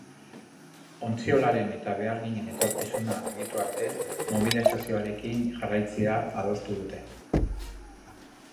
Ontziolaren eta beharginen etorkizuna argitu arte mobilizazioekin jarraitzea adostu dute.